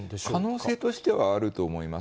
可能性としてはあると思います。